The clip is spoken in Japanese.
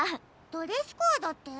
ドレスコードって？